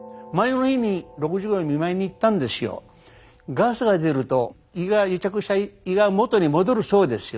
ガスが出ると癒着した胃が元に戻るそうですよ。